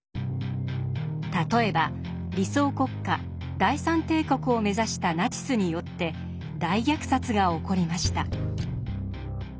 例えば理想国家「第三帝国」を目指したナチスによって大虐殺が起こりました。